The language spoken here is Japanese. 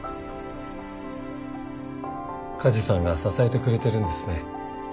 梶さんが支えてくれてるんですね。